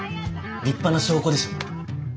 立派な証拠でしょ？